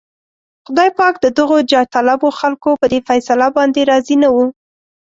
خدای پاک د دغو جاهطلبو خلکو په دې فيصله باندې راضي نه و.